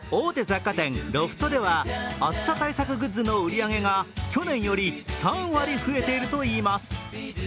雑貨店ロフトでは暑さ対策グッズの売り上げが去年より３割増えているといいます。